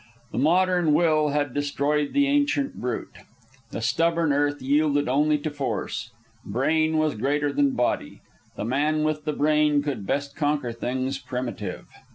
The modern will had destroyed the ancient brute. The stubborn earth yielded only to force. Brain was greater than body. The man with the brain could best conquer things primitive.